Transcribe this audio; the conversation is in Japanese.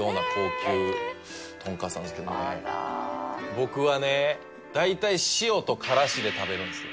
僕はね大体塩とカラシで食べるんですよ。